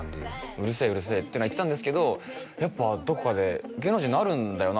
うるせえうるせえっていうのは言ってたんですけどやっぱどこかで芸能人になるんだよな